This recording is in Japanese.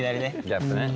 ギャップね。